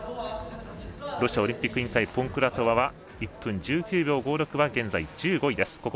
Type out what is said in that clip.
ロシアオリンピック委員会ポンクラトワは１分１９秒５６、現在１５位です。